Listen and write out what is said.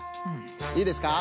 いいですか？